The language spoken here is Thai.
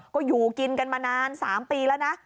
ก็อยู่กินกันมานาน๓ปีแล้วนะ